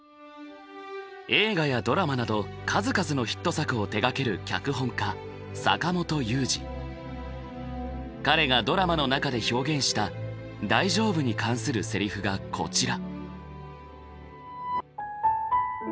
映画やドラマなど数々のヒット作を手がける彼がドラマの中で表現した大丈夫に関する台詞がこちら。